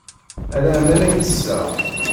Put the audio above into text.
Ala aman ay ttesseɣ.